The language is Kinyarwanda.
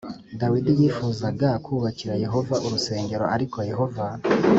Dawidi yifuzaga kubakira Yehova urusengero ariko Yehova